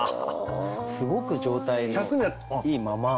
すごく状態もいいまま。